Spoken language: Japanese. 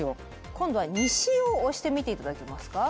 今度は西を押してみて頂けますか。